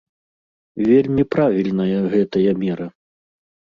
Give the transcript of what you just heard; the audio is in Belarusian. Вельмі правільная гэтая мера.